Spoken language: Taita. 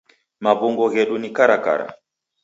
Maw'ungo ghedu ni karakara.